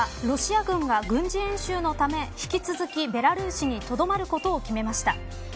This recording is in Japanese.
ロシア軍が、軍事演習のため引き続き、ベラルーシにとどまることを決めました。